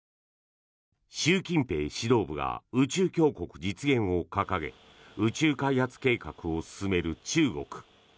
習近平指導部が宇宙強国実現を掲げ宇宙開発計画を進める中国。